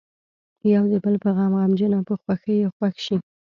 یو د بل په غم غمجن او په خوښۍ یې خوښ شي.